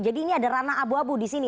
jadi ini ada rana abu abu disini